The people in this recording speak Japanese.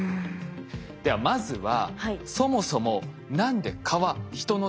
ではまずはそもそも何で蚊は人の血を吸うのか？